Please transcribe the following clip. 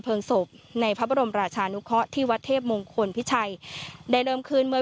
ศพในพระบรมราชานุเคาะที่วัดเทพมงคลพิชัยได้เริ่มขึ้นเมื่อ